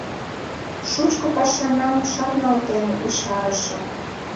Шучко пашанам шарналтен, ешарышым: